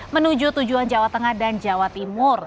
menuju tujuan jawa tengah dan jawa timur